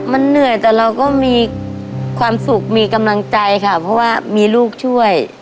มันเหนื่อยแต่เราก็มีความสุขมีกำลังใจค่ะเพราะว่ามีลูกช่วย